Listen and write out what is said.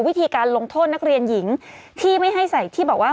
วิธีการลงโทษนักเรียนหญิงที่ไม่ให้ใส่ที่บอกว่า